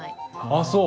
あっそう。